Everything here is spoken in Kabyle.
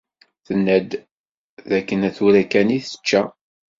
Tenna-d dakken tura kan i tečča.